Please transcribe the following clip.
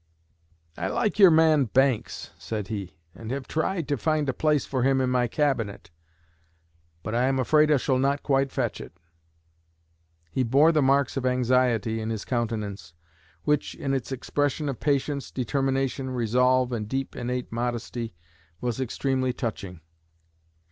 'I like your man Banks,' said he, 'and have tried to find a place for him in my Cabinet; but I am afraid I shall not quite fetch it.' He bore the marks of anxiety in his countenance, which, in its expression of patience, determination, resolve, and deep innate modesty, was extremely touching."